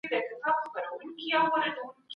خپل کور تل په پاکه توګه ساتئ.